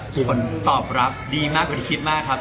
คนตอบรับดีมากมีคนคิดมากครับ